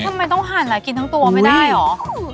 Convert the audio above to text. ทำไมต้องหั่นล่ะกินทั้งตัวไม่ได้เหรอ